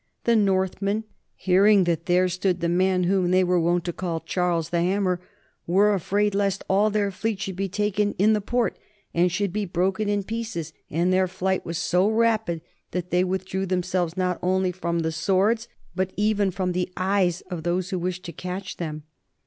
The Northmen hearing that there stood the man whom they were wont to call Charles the Hammer, were afraid lest all their fleet should be taken in the port, and should be broken in pieces; and their flight was so rapid, that they withdrew themselves not only from the swords, but even from the eyes of those who wished to catch them.